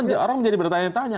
orang menjadi bertanya tanya